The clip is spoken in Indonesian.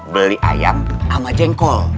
beli ayam sama jengkol